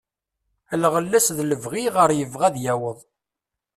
Lɣella-s d lebɣi iɣer yebɣa ad yaweḍ.